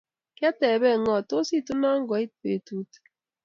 Kiatebe ngo tos ituna ngoit petut